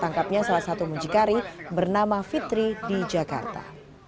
tangkapnya salah satu muncikari bernama fitri di jakarta